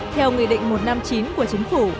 theo nghị định một trăm năm mươi chín của chính phủ